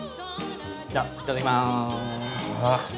じゃあいただきます。